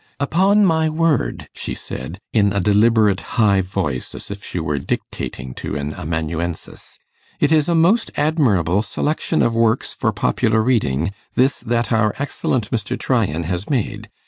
'Upon my word,' she said, in a deliberate high voice, as if she were dictating to an amanuensis, 'it is a most admirable selection of works for popular reading, this that our excellent Mr. Tryan has made.